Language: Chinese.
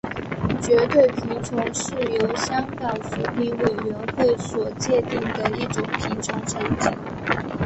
绝对贫穷是由香港扶贫委员会所界定的一种贫穷层级。